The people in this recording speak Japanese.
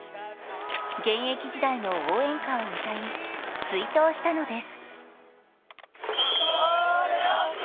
現役時代の応援歌を歌い追悼したのです。